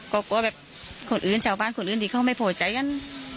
ก็กลัวแบบชาวใบ้คนอื่นที่เขาไม่โพยใจกัน